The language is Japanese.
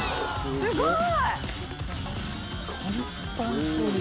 すごい！